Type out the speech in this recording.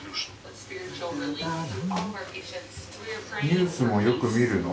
ニュースもよく見るの？